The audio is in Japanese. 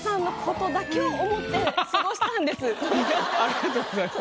ありがとうございます。